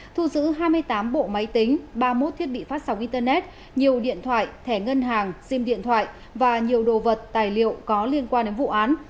thu giữ hai mươi tám bộ máy tính ba mươi một thiết bị phát sóng internet nhiều điện thoại thẻ ngân hàng sim điện thoại và nhiều đồ vật tài liệu có liên quan đến vụ án